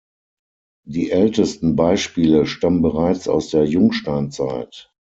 Die ältesten Beispiele stammen bereits aus der Jungsteinzeit.